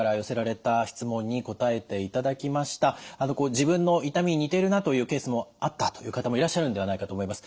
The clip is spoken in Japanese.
自分の痛みに似ているなというケースもあったという方もいらっしゃるんではないかと思います。